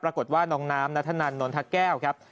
ปรากฏว่าน้องน้ำนัทนันนนทะแก้วครับ